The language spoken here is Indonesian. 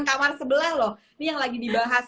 kamar sebelah loh ini yang lagi dibahas